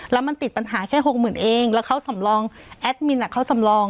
แล้วมันติดปัญหาแค่หกหมื่นเองแล้วเขาสำรองแอดมินเขาสำรอง